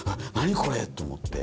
これ」と思って。